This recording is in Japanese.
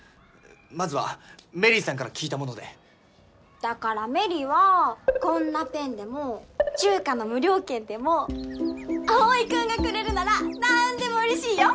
まずはメリーさんから聞いたものでだから芽李はこんなペンでも中華の無料券でも葵君がくれるならなんでもうれしいよ